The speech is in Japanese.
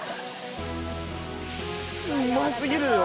うま過ぎるよ